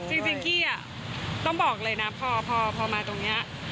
จริงจริงอ่ะต้องบอกเลยนะพอมาตรงนี้